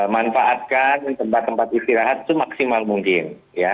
manfaatkan tempat tempat istirahat itu maksimal mungkin